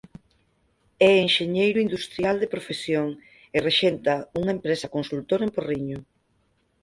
É enxeñeiro industrial de profesión e rexenta unha empresa consultora en Porriño.